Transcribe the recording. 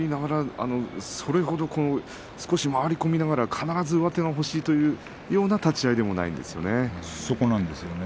少し回り込みながら上手が欲しいという立ち合いでもないんですよね。